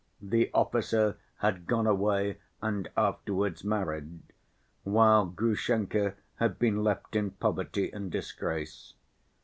The officer had gone away and afterwards married, while Grushenka had been left in poverty and disgrace.